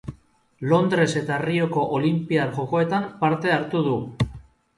Londres eta Rioko Olinpiar Jokoetan parte hartu du.